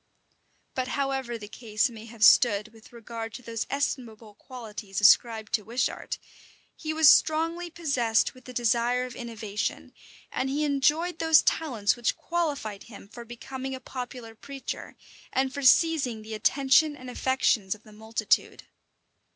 [*] But however the case may have stood with regard to those estimable qualities ascribed to Wishart, he was strongly possessed with the desire of innovation; and he enjoyed those talents which qualified him for becoming a popular preacher, and for seizing the attention and affections of the multitude.